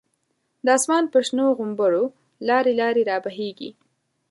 د آسمان په شنو غومبرو، لاری لاری رابهیږی